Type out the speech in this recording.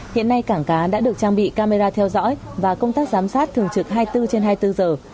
hiện nay cảng cá đã được trang bị camera theo dõi và công tác giám sát thường trực hai mươi bốn trên hai mươi bốn giờ